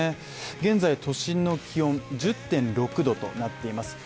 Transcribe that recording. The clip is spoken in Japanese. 現在都心の気温１０．６℃となっています。